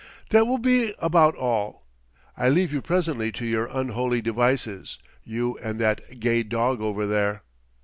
"That will be about all. I leave you presently to your unholy devices, you and that gay dog, over there."